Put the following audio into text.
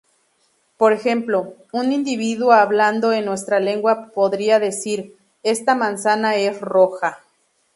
Por ejemplo, un individuo hablando en nuestra lengua podría decir "Esta manzana es roja".